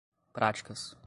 práticas